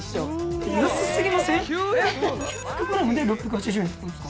９００グラムで６８０円って事ですか？